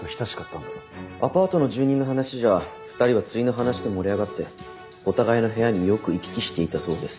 アパートの住人の話じゃ２人は釣りの話で盛り上がってお互いの部屋によく行き来していたそうです。